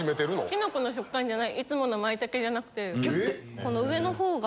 キノコの食感じゃないいつもの舞茸じゃなくてこの上の方が。